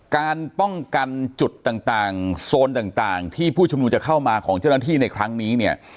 การป้องกันจุดต่างโซนต่างที่ผู้ชุมนุมจะเข้ามาของเจ้าหน้าที่ในครั้งนี้เนี่ย